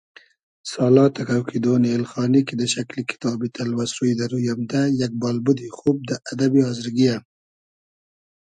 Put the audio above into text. سالا تئکۆ کیدۉن اېلخانی کی دۂ شئکلی کیتابی تئلوئس روی دۂ روی امدۂ، یئگ بالبودی خوب دۂ ادئبی آزرگی یۂ